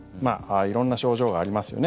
色んな症状がありますよね。